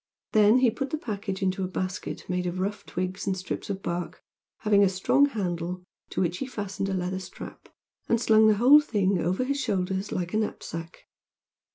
Then he put the package into a basket made of rough twigs and strips of bark, having a strong handle, to which he fastened a leather strap, and slung the whole thing over his shoulders like a knapsack.